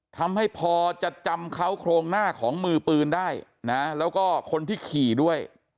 ทำให้พอจะจำเขาโครงหน้าของมือปืนได้นะแล้วก็คนที่ขี่ด้วย